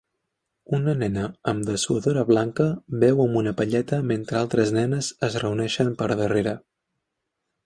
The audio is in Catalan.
Una nena amb una dessuadora blanca beu amb una palleta mentre altres nenes es reuneixen per darrere.